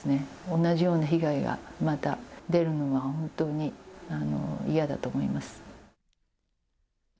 同じような被害がまた出るのは、本当に嫌だと思います。